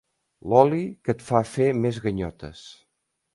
L'oli que et fa fer més ganyotes.